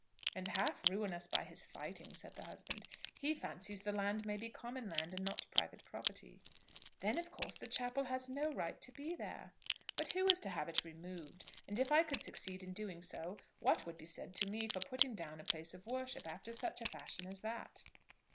"And half ruin us by his fighting," said the husband. "He fancies the land may be common land, and not private property." "Then of course the chapel has no right to be there." "But who is to have it removed? And if I could succeed in doing so, what would be said to me for putting down a place of worship after such a fashion as that?"